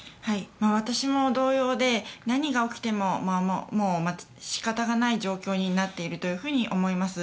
私も同様で何が起きても仕方がない状況になっていると思います。